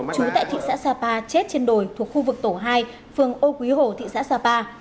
chú tại thị xã sapa chết trên đồi thuộc khu vực tổ hai phường âu quý hồ thị xã sapa